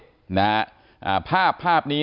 นอกจากนี้ยังมีภาพรอยเท้าเด็ก